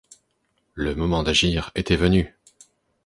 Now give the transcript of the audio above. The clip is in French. Le moment d’agir était venu.